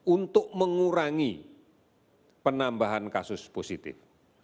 untuk mengurangi penambahan kasus positif